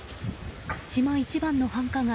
島一番の繁華街